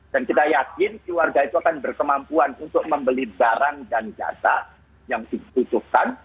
dan kita yakin keluarga itu akan berkemampuan untuk membeli barang dan jasa yang ditutupkan